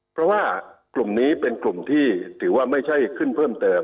เพราะว่ากลุ่มนี้เป็นกลุ่มที่ถือว่าไม่ใช่ขึ้นเพิ่มเติม